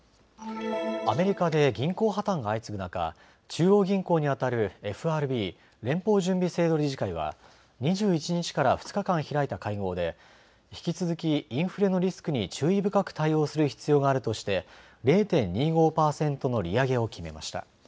アメリカで銀行破綻が相次ぐ中、中央銀行にあたるＦＲＢ・連邦準備制度理事会は２１日から２日間開いた会合で引き続きインフレのリスクに注意深く対応する必要があるとして０．２５％の利上げを決めました。